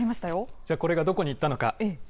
じゃあ、これがどこに行ったのか。